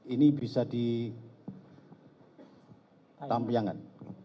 ini bisa ditampilkan